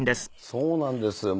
そうなんですよ。